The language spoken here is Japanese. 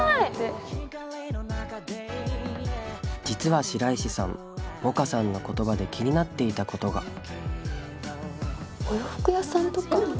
実は白石さん百花さんの言葉で気になっていたことが。